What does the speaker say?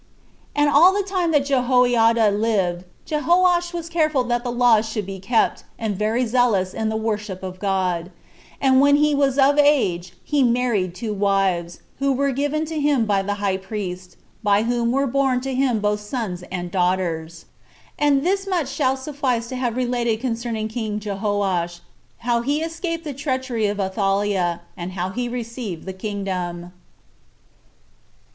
And all the time that Jehoiada lived Jehoash was careful that the laws should be kept, and very zealous in the worship of God; and when he was of age, he married two wives, who were given to him by the high priest, by whom were born to him both sons and daughters. And thus much shall suffice to have related concerning king Jehoash, how he escaped the treachery of Athaliah, and how he received the kingdom.